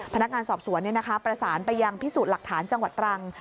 พนักงานสอบสวนประสานไปยังพิสูจน์หลักฐานจังหวัดตรัง